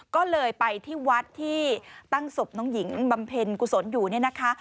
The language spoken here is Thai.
ก็เลยไปที่วัดที่ตั้งศพน้องหญิงบำเพ็ญกุศลอยู่เนี่ยนะคะ